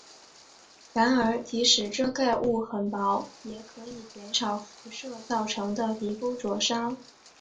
然而即使遮盖物很薄也可以减少热辐射造成的皮肤灼伤。